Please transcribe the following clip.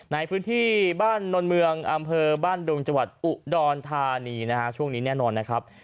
ในพื้นที่บ้านนนเมืองอำเภอบ้านดุงจังหวัดอุดรธานีนะฮะช่วงนี้แน่นอนนะครับ